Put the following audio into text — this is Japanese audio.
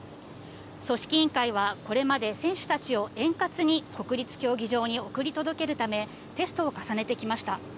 組織委員会はこれまで選手たちを円滑に国立競技場に送り届けるため、テストを重ねてきました。